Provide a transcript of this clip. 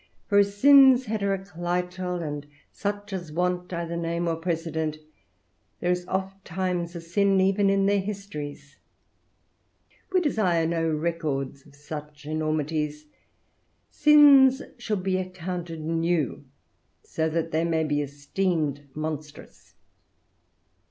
For of sins heteroclital, and such as want either name or precedent, there is ofttimes a sin even in their histories. We desire no records of such enormities; sins should be accounted new, that so they may be esteemed monstrous.